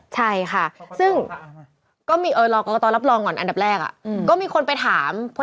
ใช่ค่ะ